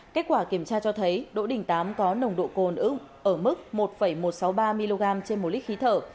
kết quả kiểm tra cho thấy đỗ đình tám có nồng độ cồn ở mức một một trăm sáu mươi ba mg trên một lít khí thở